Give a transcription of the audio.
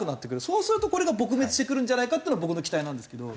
そうするとこれが撲滅してくるんじゃないかっていうのが僕の期待なんですけど。